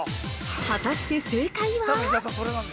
◆果たして、正解は？